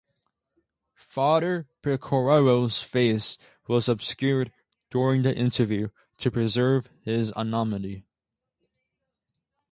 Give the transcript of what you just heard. Father Pecoraro's face was obscured during the interview to preserve his anonymity.